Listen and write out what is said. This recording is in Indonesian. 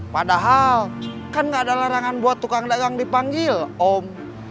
padahal kan gak ada larangan buat tukang dagang dipanggil om